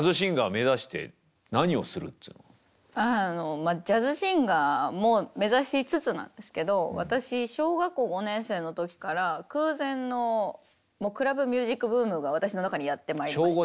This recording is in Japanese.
まあジャズシンガーも目指しつつなんですけど私小学校５年生の時から空前のクラブミュージックブームが私の中にやって参りまして。